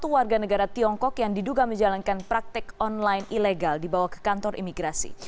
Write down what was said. satu warga negara tiongkok yang diduga menjalankan praktek online ilegal dibawa ke kantor imigrasi